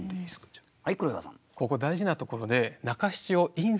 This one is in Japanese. はい黒岩さん。